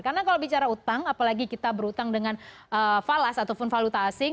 karena kalau bicara utang apalagi kita berutang dengan falas ataupun valuta asing